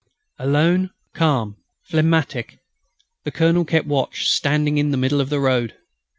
Alone, calm, phlegmatic, the Colonel kept watch, standing in the middle of the road.